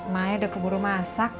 mai udah keburu masak